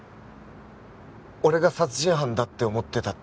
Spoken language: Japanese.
俺が殺人犯だって思ってたって事？